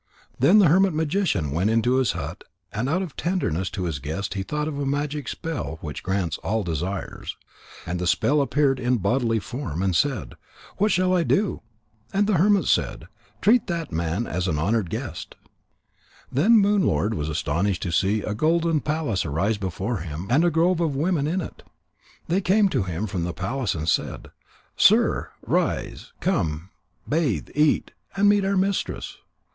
Then the hermit magician went into his hut and out of tenderness to his guest he thought of a magic spell which grants all desires. And the spell appeared in bodily form, and said: "What shall I do?" And the hermit said: "Treat that man as an honoured guest." Then Moon lord was astonished to see a golden palace rise before him and a grove with women in it. They came to him from the palace and said: "Sir, rise, come, bathe, eat, and meet our mistress."